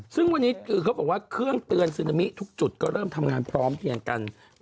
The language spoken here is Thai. ซึ่งวันนี้คือเขาบอกว่าเครื่องเตือนซึนามิทุกจุดก็เริ่มทำงานพร้อมเพียงกัน